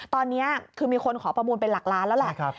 ตอนนี้คือมีคนขอประมูลเป็นหลักล้านแล้วแหละ